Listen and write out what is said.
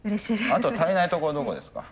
あと足りないところどこですか？